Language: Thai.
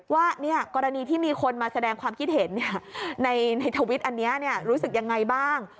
ว่ากรณีที่มีคนมาแสดงความคิดเห็นในทวิตอันนี้รู้สึกยังไงบ้าง